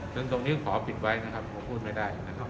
ซึ่งตรงนี้ขอปิดไว้นะครับผมพูดไม่ได้นะครับ